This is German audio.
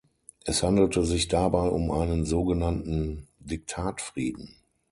Es handelte sich dabei um einen sogenannten Diktatfrieden.